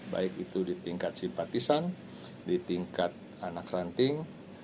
baik itu di tingkat simpatisan di tingkat anak ranting